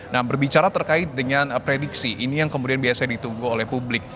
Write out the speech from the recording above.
nah berbicara terkait dengan prediksi ini yang kemudian biasanya ditunggu oleh publik